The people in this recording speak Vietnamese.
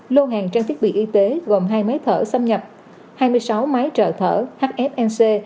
lô hàng trang thiết bị y tế gồm hai máy thở xâm nhập hai mươi sáu máy trợ thở hfnc